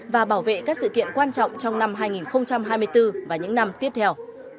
và bảo vệ các sự kiện quan trọng trong năm hai nghìn hai mươi bốn và những năm tiếp theo